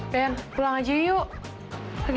ben pulang aja yuk